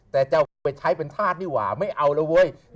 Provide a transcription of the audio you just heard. แต่จะเอากูไปใช้เป็นธาตุนี่หว่าไม่เอาแล้วเว้ย